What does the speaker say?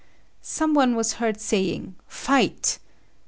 Some one was heard saying "fight!"